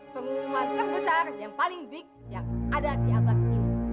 pengumuman terbesar yang paling big yang ada di abad ini